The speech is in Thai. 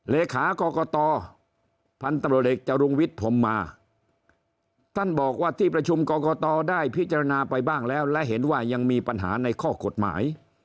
เลขากรกตพันธุ์ตำรวจเอกจรุงวิทย์พรมมาท่านบอกว่าที่ประชุมกรกตได้พิจารณาไปบ้างแล้วและเห็นว่ายังมีปัญหาในข้อกฎหมาย